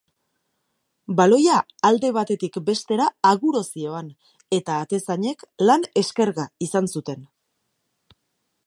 Baloia alde batetik bestera aguro zihoan eta atezainek lan eskerga izan zuten.